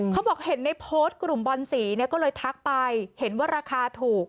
เขาบอกเห็นในโพสต์กลุ่มบอนสีเนี่ยก็เลยทักไปเห็นว่าราคาถูก